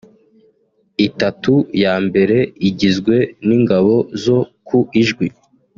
itatu ya mbere igizwe n’ingabo zo ku Ijwi